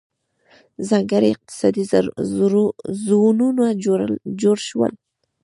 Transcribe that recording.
ځانګړي اقتصادي زونونه جوړ شول.